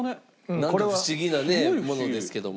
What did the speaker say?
なんか不思議なねものですけども。